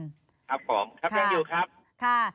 ครับผมครับยังอยู่ครับค่ะ